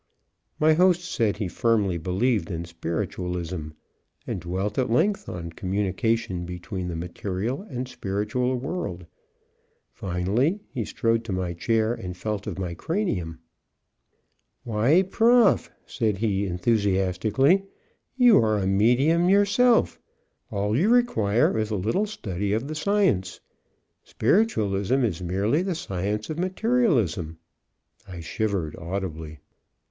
My host said he firmly believed in Spiritualism, and dwelt at length on communication between the material and spiritual world. Finally he strode to my chair and felt of my cranium. "Why Prof.," said he enthusiastically, "you are a medium yourself. All you require is a little study of the science. Spiritualism is merely the science of materialism." I shivered audibly.